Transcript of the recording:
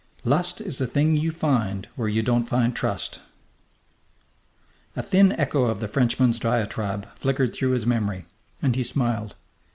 "Lust is the thing you find where you don't find trust." A thin echo of the Frenchman's diatribe flickered through his memory, and he smiled.